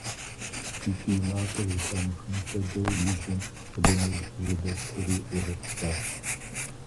И кӀий макъыр зэхамыхын хуэдэу и жьэм хъыданыжь жьэдэскуэри згъэтӀысащ.